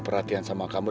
perhatian sama kamu